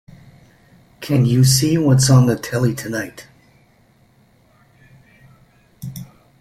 Can you see what's on the telly tonight?